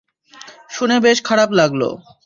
শুনে বেশ খারাপ লাগলো!